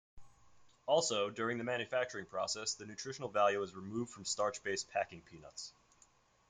Also, during the manufacturing process, the nutritional value is removed from starch-based packing peanuts.